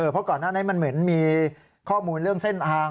เพราะก่อนหน้านั้นมันเหมือนมีข้อมูลเรื่องเส้นทาง